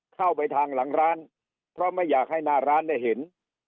เข้าไปทางหลังร้านเพราะไม่อยากให้หน้าร้านได้เห็น